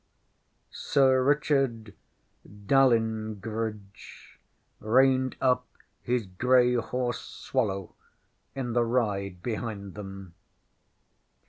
ŌĆÖ Sir Richard Dalyngridge reined up his grey horse, Swallow, in the ride behind them.